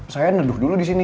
saya neduh dulu disini